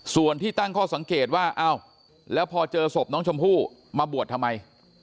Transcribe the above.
ส่วนที่ตั้งข้อสังเกตว่าอ้าวแล้วพอเจอศพน้องชมพู่มาบวชทำไม